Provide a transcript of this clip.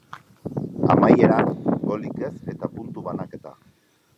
Amaieran, golik ez eta puntu banaketa.